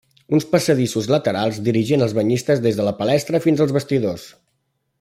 Uns passadissos laterals dirigien els banyistes des de la palestra fins als vestidors.